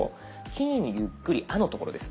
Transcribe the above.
キーにゆっくり「あ」の所です。